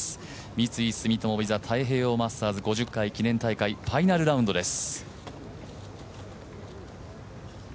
三井住友ＶＩＳＡ太平洋マスターズ５０回記念大会ファイナルラウンドです。